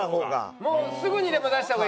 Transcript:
もうすぐにでも出した方がいい？